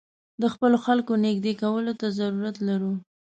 د خپلو خلکو نېږدې کولو ته ضرورت لرو.